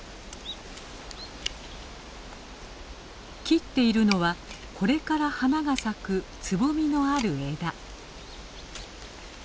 切っているのはこれから花が咲くつぼみのある枝。